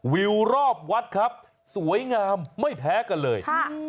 วิวรอบวัดครับสวยงามไม่แพ้กันเลย